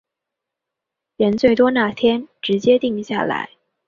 人最多那天直接定下来